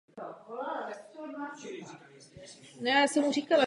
Zatřetí, musíme se poučit z finanční a ekonomické krize.